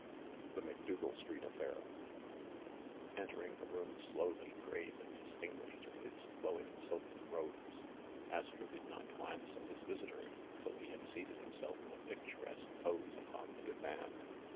THE MACDOUGAL STREET AFFAIR ENTERING the room slowly, grave and distin guished in his flowing silken robes, Astro did not glance at his visitor till he had seated himself in a picturesque pose upon the divan.